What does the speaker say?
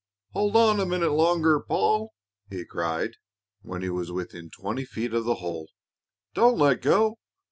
"Hold on a minute longer, Paul!" he cried, when he was within twenty feet of the hole. "Don't let go.